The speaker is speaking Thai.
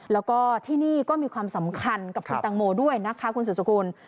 แล้วก็ที่นี่ก็มีความสำคัญกับคุณตังโมด้วยนะคะคุณสุดสกุล